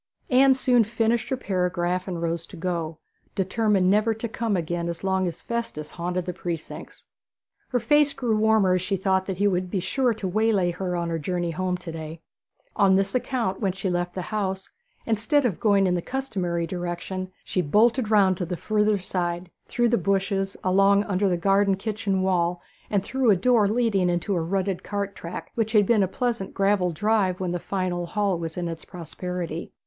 Anne soon finished her paragraph and rose to go, determined never to come again as long as Festus haunted the precincts. Her face grew warmer as she thought that he would be sure to waylay her on her journey home to day. On this account, when she left the house, instead of going in the customary direction, she bolted round to the further side, through the bushes, along under the kitchen garden wall, and through a door leading into a rutted cart track, which had been a pleasant gravelled drive when the fine old hall was in its prosperity.